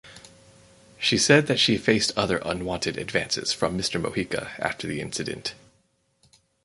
She said that she faced other unwanted advances from Mister Mojica after the incident.